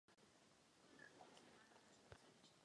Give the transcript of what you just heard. Je pravda, že za některé potíže si mohou členské státy.